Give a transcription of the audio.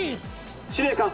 「司令官」。